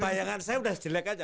bayangan saya udah jelek aja